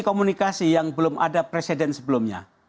komunikasi yang belum ada presiden sebelumnya